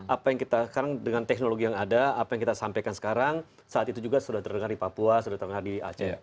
apa yang kita sekarang dengan teknologi yang ada apa yang kita sampaikan sekarang saat itu juga sudah terdengar di papua sudah terdengar di aceh